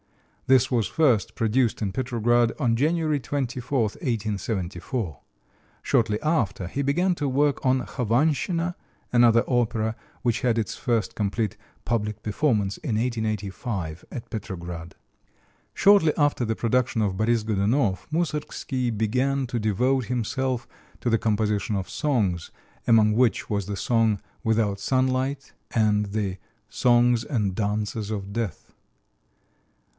This was first produced in Petrograd on January 24, 1874. Shortly after he began to work on "Khovantchina," another opera, which had its first complete public performance in 1885 at Petrograd. Shortly after the production of "Boris Godounov," Moussorgsky began to devote himself to the composition of songs, among which was the song, "Without Sunlight," and the "Songs and Dances of Death."